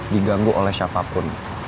diganggu oleh siapapun